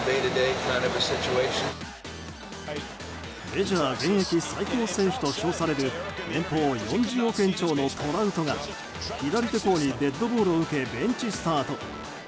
メジャー現役最高選手と称される年俸４０億円超のトラウトが左手甲にデッドボールを受けベンチスタート。